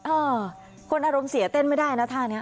อ่ะคนอร่มเสียเต้นไม่ได้นะค่ะเนี้ย